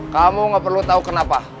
kamu gak perlu tahu kenapa